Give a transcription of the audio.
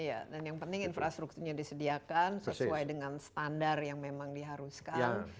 iya dan yang penting infrastrukturnya disediakan sesuai dengan standar yang memang diharuskan